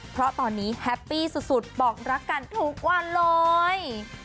เพราะตอนนี้แฮปปี้สุดบอกรักกันทุกวันเลย